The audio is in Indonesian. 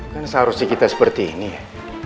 kan seharusnya kita seperti ini ya